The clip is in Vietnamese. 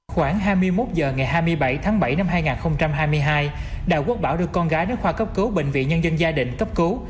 khoảng hai mươi một h ngày hai mươi bảy tháng bảy năm hai nghìn hai mươi hai đào quốc bảo được con gái đến khoa cấp cứu bệnh viện nhân dân gia định cấp cứu